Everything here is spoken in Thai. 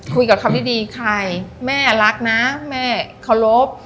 คุยกับเขาดีดีใครแม่รักนะแม่เคารพ